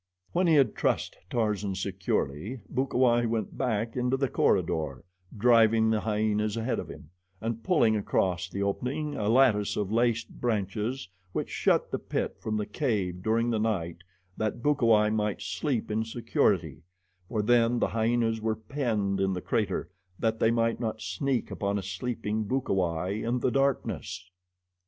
When he had trussed Tarzan securely, Bukawai went back into the corridor, driving the hyenas ahead of him, and pulling across the opening a lattice of laced branches, which shut the pit from the cave during the night that Bukawai might sleep in security, for then the hyenas were penned in the crater that they might not sneak upon a sleeping Bukawai in the darkness.